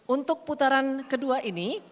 untuk putaran kedua ini